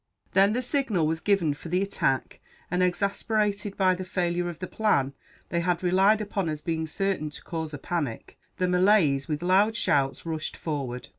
Then the signal was given for the attack and, exasperated by the failure of the plan they had relied upon as being certain to cause a panic, the Malays, with loud shouts, rushed forward.